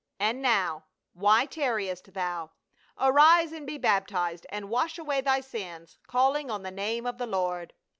And now, why tarriest thou ? Arise, and be baptized and wash away thy sins, calling on the name of the Lord."